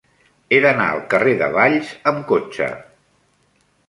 He d'anar al carrer de Valls amb cotxe.